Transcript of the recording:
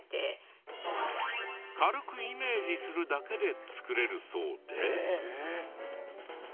軽くイメージするだけで作れるそうで。